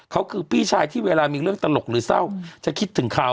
เขาคือพี่ชายที่เวลามีเรื่องตลกหรือเศร้าจะคิดถึงเขา